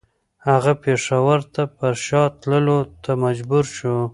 هغه پېښور ته پر شا تللو ته مجبور شو.